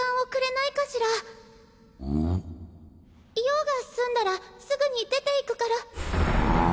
用が済んだらすぐに出ていくから。